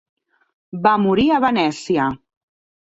Va morir a Venècia.